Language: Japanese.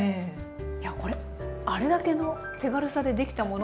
いやこれあれだけの手軽さでできたものとは思えない。